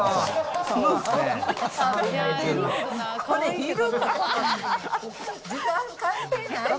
これいる？